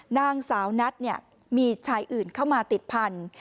นางสาวนัทมีชายอื่นเข้ามาติดพันธุ์